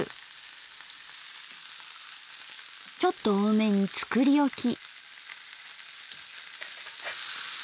ちょっと多めに作り置き。